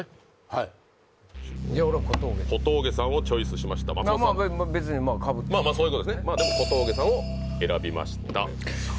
はいじゃ俺小峠小峠さんをチョイスしました松本さん別にまあかぶってもまあまあそういうことですねでも小峠さんを選びましたさあ